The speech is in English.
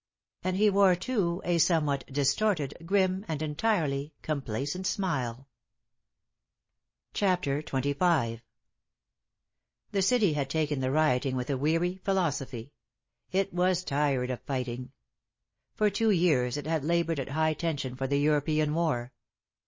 And he wore, too, a somewhat distorted, grim and entirely complacent smile. CHAPTER XXV The city had taken the rioting with a weary philosophy. It was tired of fighting. For two years it had labored at high tension for the European war.